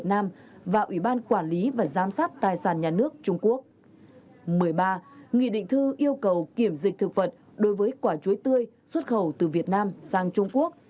tổng bí thư yêu cầu kiểm dịch thực vật đối với quả chuối tươi xuất khẩu từ việt nam sang trung quốc